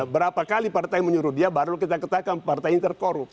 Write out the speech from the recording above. berapa kali partai menyuruh dia baru kita katakan partainya terkorupsi